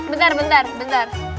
bentar bentar bentar